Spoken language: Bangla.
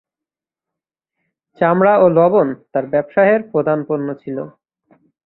চামড়া এবং লবণ তার ব্যবসায়ের প্রধান পণ্য ছিল।